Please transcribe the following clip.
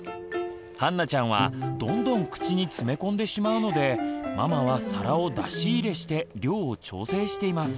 はんなちゃんはどんどん口に詰め込んでしまうのでママは皿を出し入れして量を調整しています。